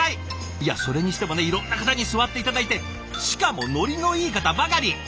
いやそれにしてもねいろんな方に座って頂いてしかもノリのいい方ばかり！